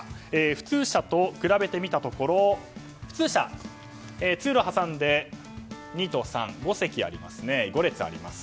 普通車と比べてみたところ普通車、通路を挟んで２と３、合わせて５列あります。